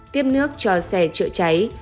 tiếp nước cho xe trợ cháy